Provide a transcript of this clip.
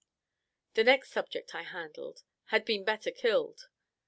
The next subject I handled, had been better killed.